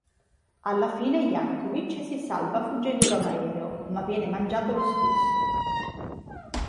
Alla fine Yankovic si salva fuggendo da un aereo, ma viene mangiato lo stesso.